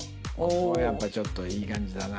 ここはやっぱちょっといい感じだな。